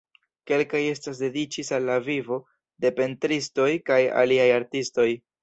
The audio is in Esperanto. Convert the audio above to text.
Kelkaj estas dediĉis al la vivo de pentristoj kaj aliaj artistoj.